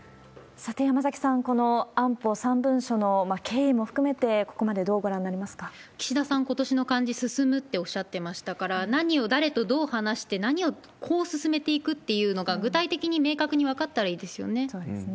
さて、山崎さん、この安保３文書の経緯も含めて、岸田さん、今年の漢字、進っておっしゃってましたから、何を誰とどう話して、何をこう進めていくっていうのが具体的に明確に分かったらいいでそうですね。